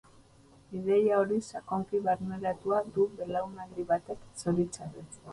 Ideia hori sakonki barneratua du belaunaldi batek, zoritxarrez.